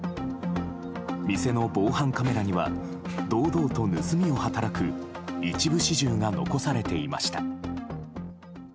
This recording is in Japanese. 店の防犯カメラには堂々と盗みを働く一部始終が残されていました。